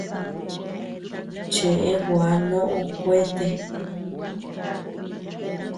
Cheʼe gua noʼo kuete.